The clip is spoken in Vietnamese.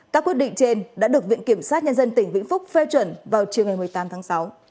các quyết định trên đã được viện kiểm sát nhân dân tỉnh vĩnh phúc phê chuẩn vào chiều ngày một mươi tám tháng sáu